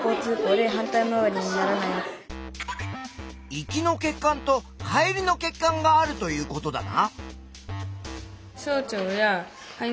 行きの血管と帰りの血管があるということだな！